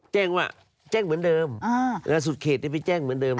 แจ้งว่าแจ้งเหมือนเดิมสุดเขตนี้ไปแจ้งเหมือนเดิม